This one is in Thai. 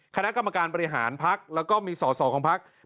คณะกรรมการบริหารภักดิ์และสอสอของภักดิ์